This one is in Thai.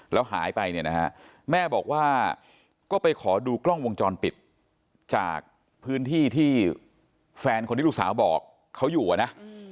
แล้วหายไปเนี่ยนะฮะแม่บอกว่าก็ไปขอดูกล้องวงจรปิดจากพื้นที่ที่แฟนคนที่ลูกสาวบอกเขาอยู่อ่ะนะ